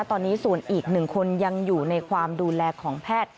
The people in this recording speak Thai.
ตอนนี้ส่วนอีก๑คนยังอยู่ในความดูแลของแพทย์